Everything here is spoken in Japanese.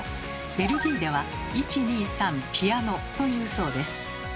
ベルギーでは「１２３ピアノ」と言うそうです。